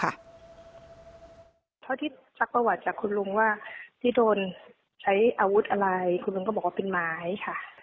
เท่าที่ซักประวัติจากคุณลุงว่าที่โดนใช้อาวุธอะไรคุณลุงก็บอกว่าเป็นไม้ค่ะ